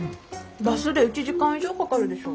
バスで１時間以上かかるでしょ。